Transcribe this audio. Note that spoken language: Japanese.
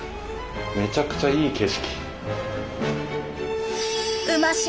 めちゃくちゃいい景色。